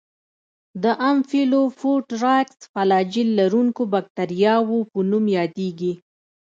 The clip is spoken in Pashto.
د امفیلوفوټرایکس فلاجیل لرونکو باکتریاوو په نوم یادیږي.